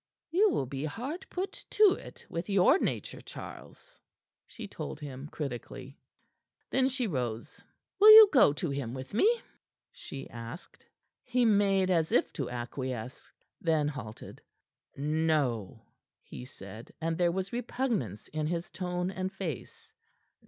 "You will be hard put to it, with your nature, Charles," she told him critically. Then she rose. "Will you go to him with me?" she asked. He made as if to acquiesce, then halted. "No," he said, and there was repugnance in his tone and face.